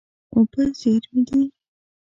اوبه زېرمې دي.